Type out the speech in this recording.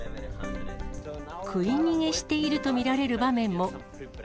食い逃げしていると見られる場面も。